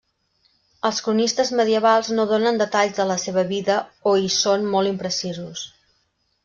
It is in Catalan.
Els cronistes medievals no donen detalls de la seva vida o hi són molt imprecisos.